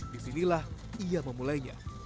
disinilah ia memulainya